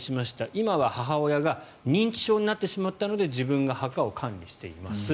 今は母親が認知症になってしまったので自分が墓を管理しています。